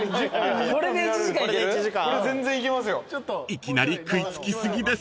［いきなり食い付き過ぎです］